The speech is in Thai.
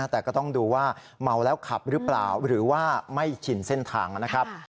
แต่ก็ต้องดูว่าเมาแล้วขับหรือเปล่าหรือว่าไม่ชินเส้นทางนะครับ